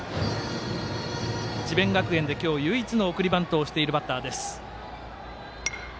智弁学園で今日、唯一の送りバントをしているバッター。